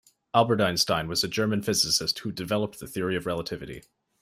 Albert Einstein was a German physicist who developed the Theory of Relativity.